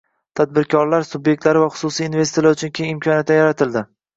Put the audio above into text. tadbirkorlik sub’ektlari va xususiy investorlar uchun keng imkoniyatlar yaratildi.